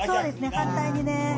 反対にね。